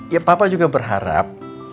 ya papa juga berharap